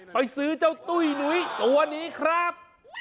ไปซื้อเจ้าตุ้ยหนุ้ยตัวนี้ครับ